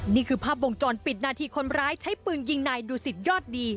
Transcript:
นี่คือภาพวงจรปิดนาทีคนร้ายใช้ปืนยิงนายดูสิตยอดดี